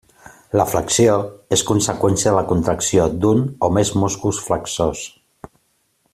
La flexió és conseqüència de la contracció d'un o més músculs flexors.